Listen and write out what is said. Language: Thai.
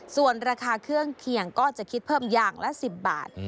ส่วนราคาเครื่องเคียงก็จะคิดเพิ่มอย่างละ๑๐บาท